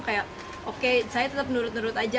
kayak oke saya tetap nurut nurut aja